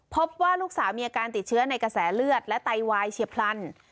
พบว่าลูกสาวมีอาการติดเชื้อในกระแสเลือดและไตวายเฉียบพลัน